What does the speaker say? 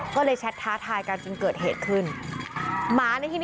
ก็เลยแช็ตท้าทายกัน